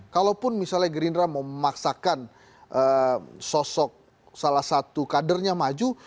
kalaupun misalnya gerindra memaksakan sosok salah satu kadernya maju